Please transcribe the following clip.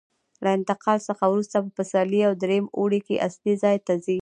له انتقال څخه وروسته په پسرلي او درېیم اوړي کې اصلي ځای ته ځي.